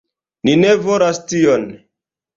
Ni ne volas tion.